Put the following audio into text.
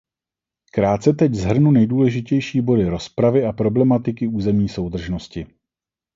Krátce teď shrnu nejdůležitější body rozpravy a problematiky územní soudržnosti.